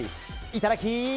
いただき！